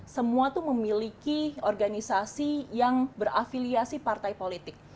semua itu memiliki organisasi yang berafiliasi partai politik